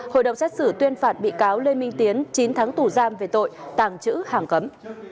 hội đồng xét xử tuyên phạt bị cáo lê minh tiến chín tháng tù giam về tội tàng trữ hàng cấm